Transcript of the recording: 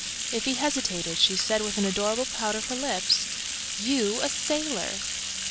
If he hesitated, she said, with an adorable pout of her lips: "You, a sailor!"